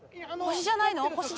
星じゃないの？